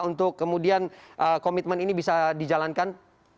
untuk kemudian komitmen ini bisa dijalankan